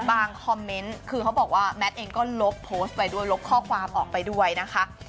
คอมเมนต์คือเขาบอกว่าแมทเองก็ลบโพสต์ไปด้วยลบข้อความออกไปด้วยนะคะ